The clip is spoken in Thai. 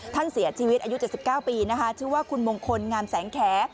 ท่านเสียชีวิตอายุ๗๙ปีนะคะชื่อว่าคุณมงคลงามแสงแข